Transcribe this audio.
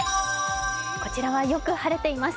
こちらはよく晴れています。